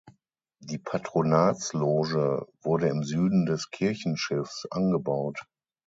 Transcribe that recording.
Die Patronatsloge wurde im Süden des Kirchenschiffs angebaut.